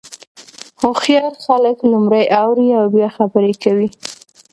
هوښیار خلک لومړی اوري او بیا خبرې کوي.